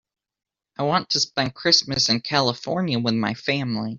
I want to spend Christmas in California with my family.